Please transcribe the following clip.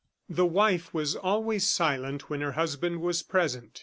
The wife was always silent when her husband was present.